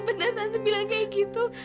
benar anda bilang kayak gitu